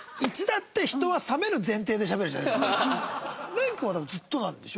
廉君はずっとなんでしょ？